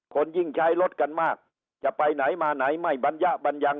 คนยิ่งใช้รถกันมากจะไปไหนมาไหนไม่บรรยะบัญญัง